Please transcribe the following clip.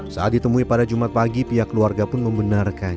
saat ditemui pada jumat pagi pihak keluarga pun membenarkan